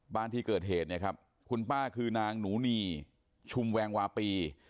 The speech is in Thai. บ้านที่เกิดเหตุเนี่ยครับคุณป้าคือนางหนูนีชุมแวงวาปี